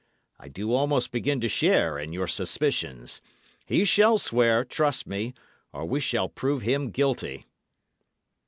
I do almost begin to share in your suspicions. He shall swear, trust me, or we shall prove him guilty."